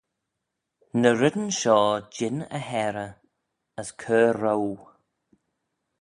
Ny reddyn shoh jean y harey as cur roue.